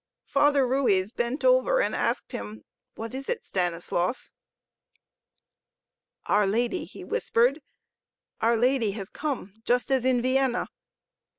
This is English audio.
Father Ruiz bent over and asked him: What is it, Stanislaus? "Our Lady!" he whispered. "Our Lady has come, just as in Vienna."